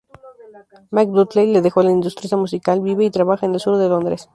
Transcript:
Mike Dudley dejó la industria musical, vive y trabaja en el sur de Londres.